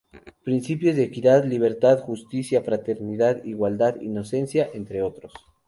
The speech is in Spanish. Principios de equidad, libertad, justicia, fraternidad, igualdad, inocencia, entre otros.